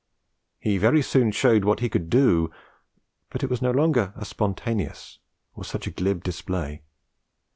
He very soon showed what he could do; but it was no longer a spontaneous or such a glib display.